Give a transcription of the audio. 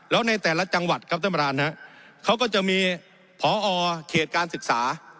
แล้วในแต่ละจังหวัดครับท่านประธานฮะเขาก็จะมีพอเขตการศึกษา